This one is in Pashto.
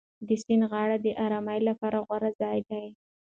د سیند غاړه د ارام لپاره غوره ځای دی.